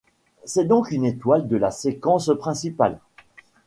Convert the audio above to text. C'est donc une étoile de la séquence principale.